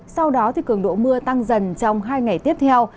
sau đó cường độ mưa tăng dần trong hai ngày tiếp theo